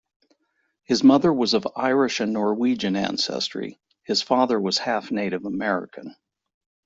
His mother was of Irish and Norwegian ancestry; his father was half Native American.